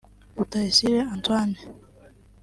Rutayisire Antoine